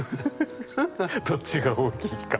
どっちが大きいか。